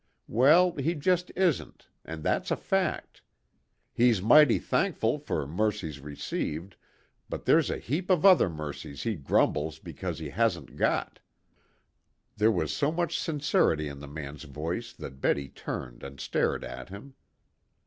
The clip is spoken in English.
Well, he just isn't, and that's a fact. He's mighty thankful for mercies received, but there's a heap of other mercies he grumbles because he hasn't got." There was so much sincerity in the man's voice that Betty turned and stared at him.